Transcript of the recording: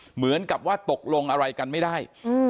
เหมือนกับว่าตกลงอะไรกันไม่ได้